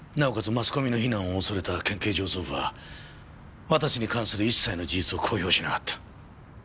マスコミの非難を恐れた県警上層部は綿瀬に関する一切の事実を公表しなかった。